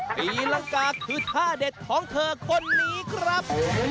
ปีลังกาคือท่าเด็ดของเธอคนนี้ครับ